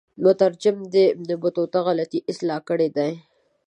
مترجم د ابن بطوطه غلطی اصلاح کړي دي.